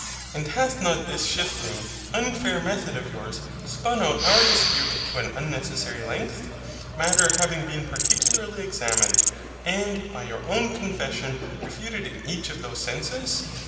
And hath not this shifting, unfair method of yours spun out our dispute to an unnecessary length; Matter having been particularly examined, and by your own confession refuted in each of those senses?